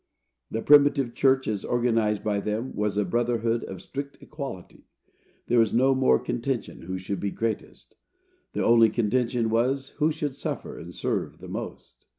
The primitive church, as organized by them, was a brotherhood of strict equality. There was no more contention who should be greatest; the only contention was, who should suffer and serve the most.